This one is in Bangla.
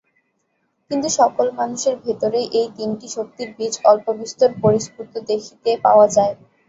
কিন্তু সকল মানুষের ভিতরেই এই তিনটি শক্তির বীজ অল্পবিস্তর পরিস্ফুট দেখিতে পাওয়া যায়।